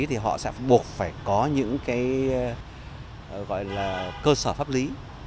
thì họ sẽ buộc phải có những cơ sở pháp lý